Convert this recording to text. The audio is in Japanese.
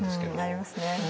ありますね。